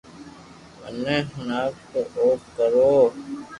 مني ھڻاوي تو او ڪرو